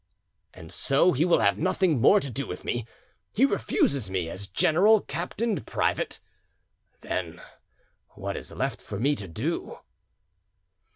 And so he will have nothing more to do with me? He refuses me as general, captain, private? Then what is left for me to do?"